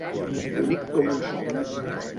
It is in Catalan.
Bonic com un sol.